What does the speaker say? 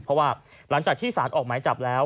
เพราะว่าหลังจากที่สารออกหมายจับแล้ว